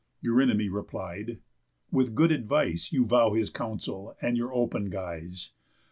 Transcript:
Eurynomé replied: "With good advise You vow his counsel, and your open guise.